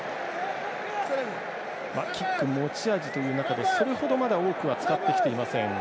キック、持ち味という中でまだ、それほど多くは使ってきていません。